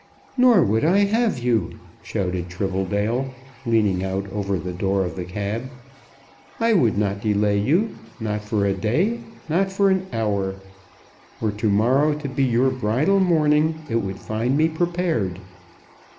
"Nor would I have you," shouted Tribbledale, leaning out over the door of the cab. "I would not delay you not for a day, not for an hour. Were to morrow to be your bridal morning it would find me prepared.